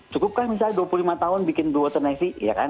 cukupkah misalnya dua puluh lima tahun bikin blue water navy